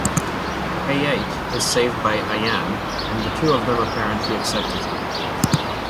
Hayate is saved by Ayane, and the two of them apparently accept each other.